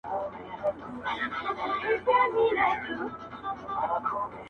له بدو خوند اخلم اوس، ښه چي په زړه بد لگيږي_